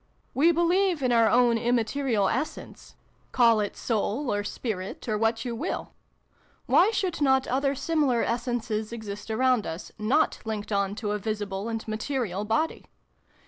We believe in our own immaterial essence call it ' soul,' 302 SYLVIE AND BRUNO CONCLUDED. or ' spirit,' or what you will. Why should not other similar essences exist around us, not linked on to a visible and material body